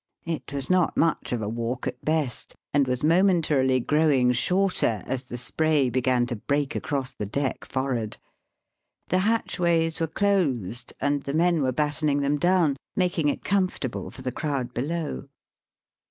It was not much of a walk at best, and was momentarily growing shorter as, the spray began to break across the deck for'ard. The hatchways were closed, and the men were battening them down, making it comfortable for the crowd below.